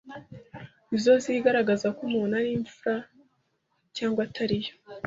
ni zo zigaragaza ko umuntu ari imfura cyangwa atari yo.